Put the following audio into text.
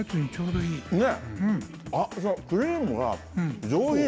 クリームが上品。